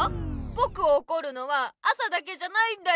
ぼくをおこるのは朝だけじゃないんだよ。